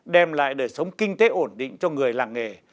đem lại đời sống kinh tế ổn định cho người làng nghề